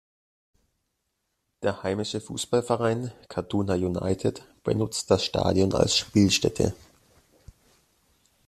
Der heimische Fußballverein Kaduna United benutzt das Stadion als Spielstätte.